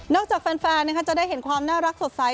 จากแฟนจะได้เห็นความน่ารักสดใส